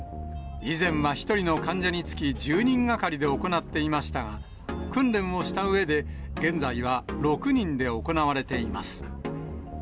以前は１人の患者につき１０人がかりで行っていましたが、訓練をしたうえで、現在は６人で行われています。